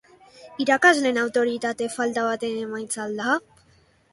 Irakasleen autoritate falta baten emaitza al da?